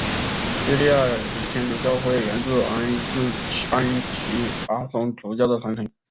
叙利亚礼天主教会源自安提阿宗主教的传承。